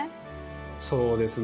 そうですね。